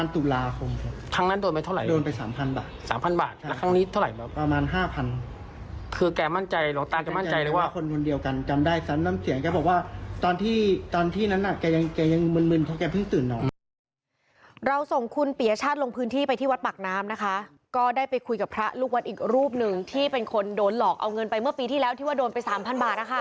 ที่วัดปากน้ำนะคะก็ได้ไปคุยกับพระลูกวัดอีกรูปหนึ่งที่เป็นคนโดนหลอกเอาเงินไปเมื่อปีที่แล้วที่ว่าโดนไปสามพันบาทนะคะ